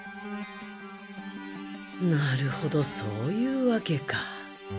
なるほどそういうわけか。